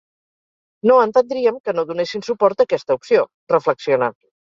No entendríem que no donessin suport a aquesta opció, reflexiona.